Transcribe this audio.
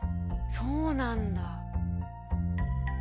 そうなんだ。